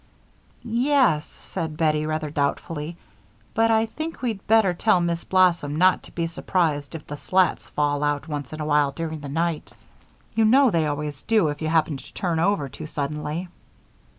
"Ye es," said Bettie, rather doubtfully, "but I think we'd better tell Miss Blossom not to be surprised if the slats fall out once in a while during the night. You know they always do if you happen to turn over too suddenly."